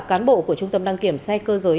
cán bộ của trung tâm đăng kiểm xe cơ giới